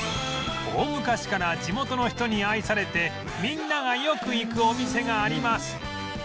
「大昔から地元の人に愛されて皆んながよく行くお店があります」